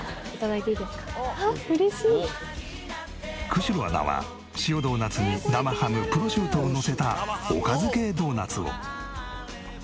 久代アナは塩ドーナツに生ハムプロシュートをのせたおかず系ドーナツを。